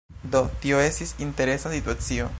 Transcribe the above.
Do, tio estis interesa situacio.